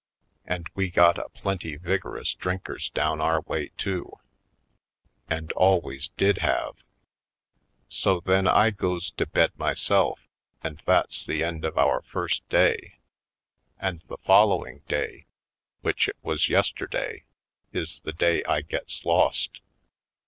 And we got a plenty vigorous drinkers down our way, too ! And always did have ! So then I goes to bed myself and that's the end of our first day. And the follow ing day, which it was yesterday, is the day I gets lost.